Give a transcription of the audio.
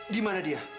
di mana dia